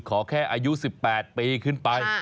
ขอแค่อายุ๑๘ปีขึ้นไป